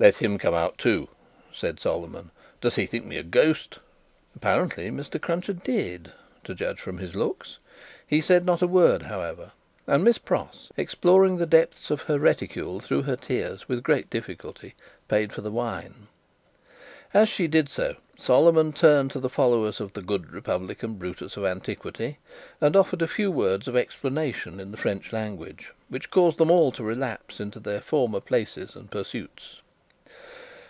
"Let him come out too," said Solomon. "Does he think me a ghost?" Apparently, Mr. Cruncher did, to judge from his looks. He said not a word, however, and Miss Pross, exploring the depths of her reticule through her tears with great difficulty paid for her wine. As she did so, Solomon turned to the followers of the Good Republican Brutus of Antiquity, and offered a few words of explanation in the French language, which caused them all to relapse into their former places and pursuits.